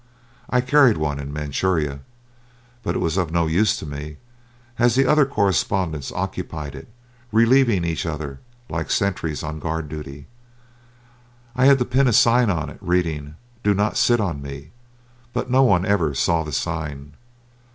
I carried one in Manchuria, but it was of no use to me, as the other correspondents occupied it, relieving each other like sentries on guard duty. I had to pin a sign on it, reading, "Don't sit on me," but no one ever saw the sign.